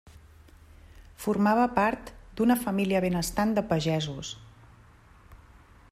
Formava part d'una família benestant de pagesos.